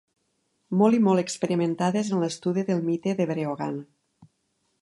Molt i molt experimentades en l'estudi del mite de Breogan.